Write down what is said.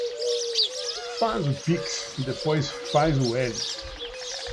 Faz o pix e depois faz o L